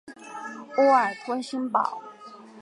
波尔托新堡。